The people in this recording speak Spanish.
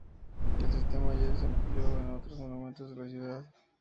El sistema ya se empleó en otros monumentos de la ciudad.